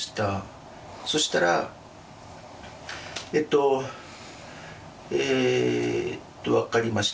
そしたらえっとえーっとわかりました。